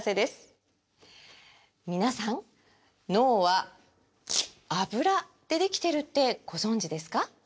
みなさん脳はアブラでできているってご存知ですか？